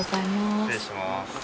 失礼します。